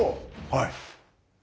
はい。